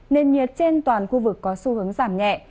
nền nhiệt trên toàn khu vực có xu hướng giảm nhẹ